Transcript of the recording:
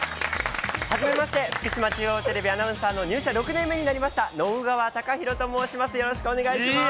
はじめまして、福島中央テレビアナウンサーの入社６年目になりました、直川貴博と申します。